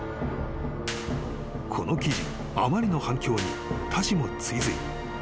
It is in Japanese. ［この記事のあまりの反響に他紙も追随］